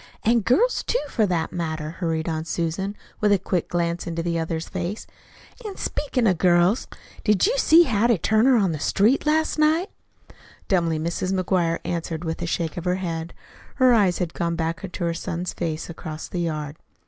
"An' girls, too, for that matter," hurried on Susan, with a quick glance into the other's face. "An' speakin' of girls, did you see Hattie Turner on the street last night?" Dumbly Mrs. McGuire answered with a shake of her head. Her eyes had gone back to her son's face across the yard.